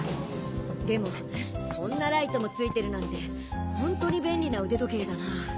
でもそんなライトも付いてるなんてホントに便利な腕時計だな。